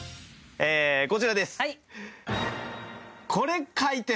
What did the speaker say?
こちらです。